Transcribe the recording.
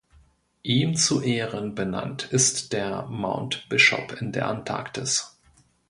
Ihm zu Ehren benannt ist der Mount Bishop in der Antarktis.